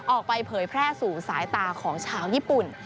เผยแพร่สู่สายตาของชาวญี่ปุ่น